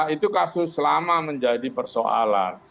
itu kasus lama menjadi persoalan